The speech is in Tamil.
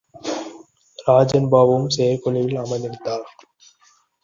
ராஜன் பாபுவும் செயற்குழுவில் அமர்ந்திருந்தார்.